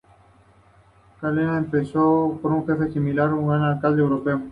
Cada aldea es administrada por un jefe, similar a un alcalde europeo.